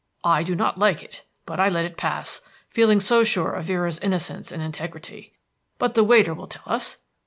I do not like it, but I let it pass, feeling so sure of Vera's innocence and integrity. But the waiter will tell us.